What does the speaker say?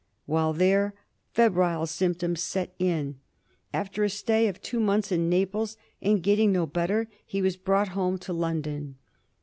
While there febrile symptoms set in. After a stay of two months in Naples, and getting no better, he was brought home to London.